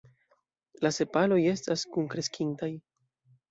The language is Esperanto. La sepaloj estas kunkreskintaj.